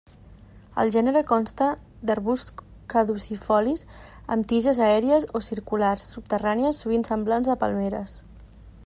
El gènere consta d'arbusts caducifolis amb tiges aèries o circulars subterrànies sovint semblants a palmeres.